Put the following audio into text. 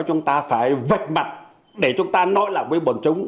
chúng ta phải vạch mặt để chúng ta nói lặng với bọn chúng